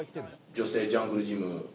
女性ジャングルジム。